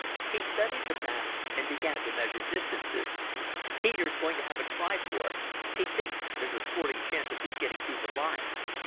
He studied the map and began to measure distances. "Peter's going to have a try for it. He thinks there's a sporting chance of his getting through the lines.